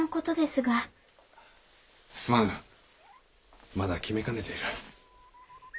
すまぬまだ決めかねている。